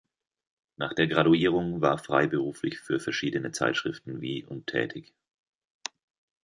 Nach der Graduierung war freiberuflich für verschiedene Zeitschriften wie und tätig.